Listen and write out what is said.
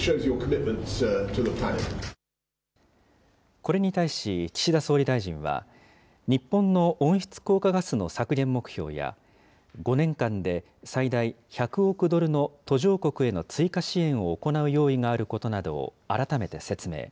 これに対し、岸田総理大臣は日本の温室効果ガスの削減目標や、５年間で最大１００億ドルの途上国への追加支援を行う用意があることなどを改めて説明。